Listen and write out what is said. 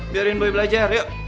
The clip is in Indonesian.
biarin boy belajar yuk